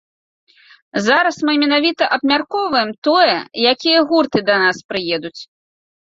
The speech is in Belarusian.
Зараз мы менавіта абмяркоўваем тое, якія гурты да нас прыедуць.